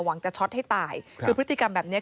หวังจะช็อตให้ตายคือพฤติกรรมแบบเนี้ย